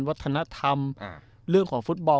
วัฒนธรรมเรื่องของฟุตบอล